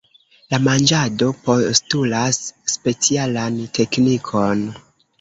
La manĝado postulas specialan teknikon.